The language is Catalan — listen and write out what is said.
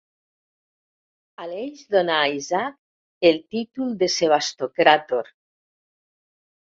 Aleix donà a Isaac el títol de sebastocràtor.